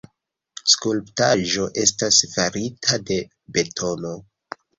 Skulptaĵo estas farita de betono.